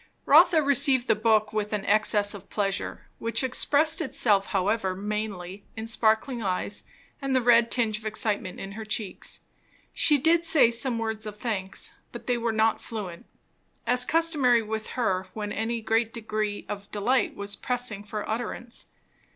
Rotha received the book with an access of pleasure, which expressed itself however mainly in sparkling eyes and the red tinge of excitement in her cheeks. She did say some words of thanks, but they were not fluent, as customary with her when any great degree of delight was pressing for utterance.